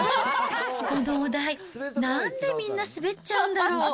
このお題、なんでみんな滑っちゃうんだろう。